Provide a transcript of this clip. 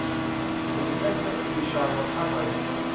D Maziɣ i d-yecreḍ lxaṭer-is.